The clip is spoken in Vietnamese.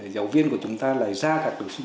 giáo viên của chúng ta lại ra các đồng sinh